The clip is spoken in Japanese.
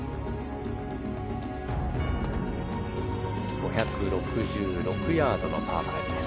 ５６６ヤードのパー５です。